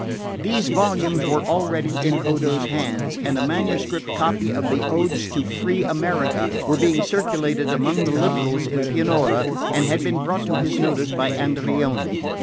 These volumes were already in Odo's hands, and a manuscript copy of the Odes to Free America was being circulated among the liberals in Pianura, and had been brought to his notice by Andreoni.